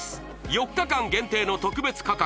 ４日間限定の特別価格